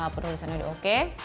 penerusannya udah oke